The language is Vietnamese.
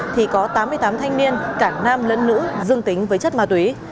thì có tám mươi tám thanh niên cả nam lẫn nữ dương tính với chất ma túy